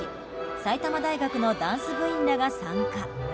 埼玉大学のダンス部員らが参加。